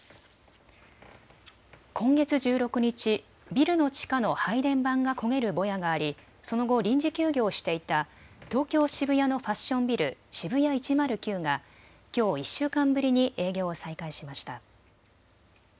今月１６日、ビルの地下の配電盤が焦げるぼやがありその後、臨時休業していた東京渋谷のファッションビル、ＳＨＩＢＵＹＡ１０９がきょう１週間ぶりに営業を再開しました。